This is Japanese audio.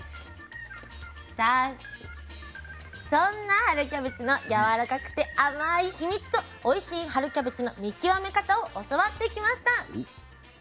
さあそんな春キャベツのやわらかくて甘い秘密とおいしい春キャベツの見極め方を教わってきました。